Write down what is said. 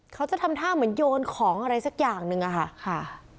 เขาจะทำท่าเหมือนโยนของอะไรสักอย่างหนึ่งอะค่ะ